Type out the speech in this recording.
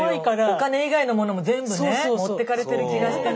お金以外のものも全部ね持ってかれてる気がしてね。